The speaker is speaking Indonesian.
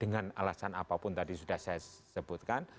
dengan alasan apapun tadi sudah saya sebutkan